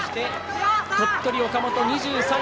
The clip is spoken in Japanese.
鳥取、岡本は２３位。